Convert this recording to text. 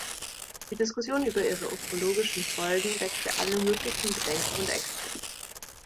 Die Diskussion über ihre ökologischen Folgen weckt alle möglichen Bedenken und Ängste.